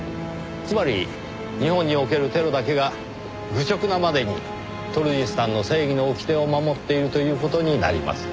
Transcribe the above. つまり日本におけるテロだけが愚直なまでにトルジスタンの正義の掟を守っているという事になります。